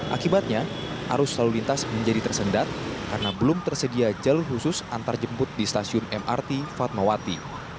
akibatnya arus lalu lintas menjadi tersendat karena belum tersedia jalur khusus antarjemput di stasiun mrt fatmawati